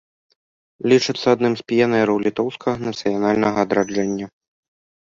Лічыцца адным з піянераў літоўскага нацыянальнага адраджэння.